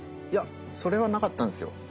いやそれはなかったんですよ。